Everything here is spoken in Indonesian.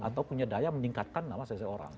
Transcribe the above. atau punya daya meningkatkan nama seseorang